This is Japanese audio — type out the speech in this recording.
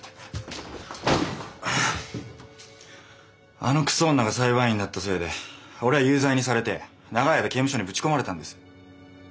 あのクソ女が裁判員だったせいで俺は有罪にされて長い間刑務所にぶち込まれたんです。